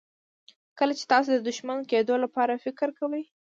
کله چې تاسې د شتمن کېدو لپاره فکر کوئ.